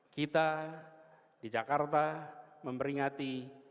kita di jakarta memberingati